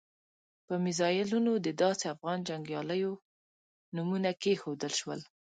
په میزایلونو د داسې افغان جنګیالیو نومونه کېښودل شول.